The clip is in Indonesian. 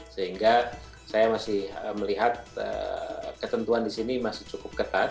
sehingga saya masih melihat ketentuan di sini masih cukup ketat